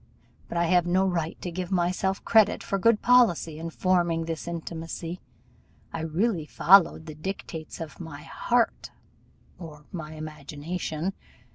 But I have no right to give myself credit for good policy in forming this intimacy; I really followed the dictates of my heart or my imagination.